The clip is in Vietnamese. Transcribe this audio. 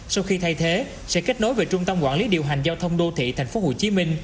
sau khi thay thế sẽ kết nối với trung tâm quản lý điều hành giao thông đô thị tp hcm